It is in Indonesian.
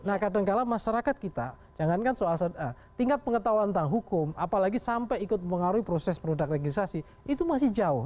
nah kadangkala masyarakat kita jangankan soal tingkat pengetahuan tentang hukum apalagi sampai ikut mengaruhi proses produk legislasi itu masih jauh